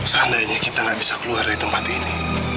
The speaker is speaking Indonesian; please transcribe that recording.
seandainya kita nggak bisa keluar dari tempat ini